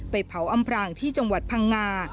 เผาอำพรางที่จังหวัดพังงา